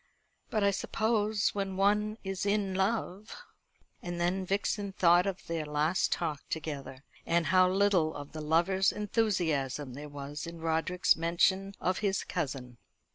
But I suppose when one is in love " And then Vixen thought of their last talk together, and how little of the lover's enthusiasm there was in Roderick's mention of his cousin.